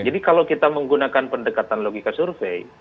jadi kalau kita menggunakan pendekatan logika survei